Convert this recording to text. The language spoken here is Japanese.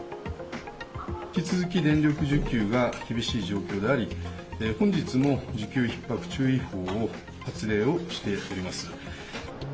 引き続き電力需給が厳しい状況であり、本日も需給ひっ迫注意報を発令をしております。